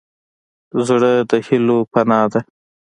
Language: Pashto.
زړه د هيلو پناه ده.